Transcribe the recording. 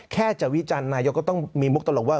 แค่จะวิจันทร์นายกก็ต้องมีมุกตลกว่า